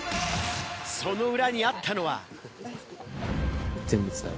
その裏にあったのは。